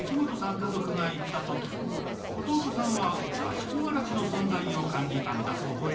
家族が行ったとき弟さんは、座敷わらしの存在を感じたんだそう。